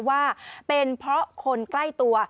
ว่าเป็นเพราะคนใกล้ตัว